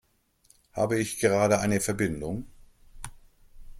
Habe ich gerade eine Verbindung?